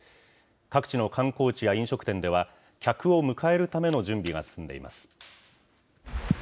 各地の観光地や飲食店では、客を迎えるための準備が進んでいます。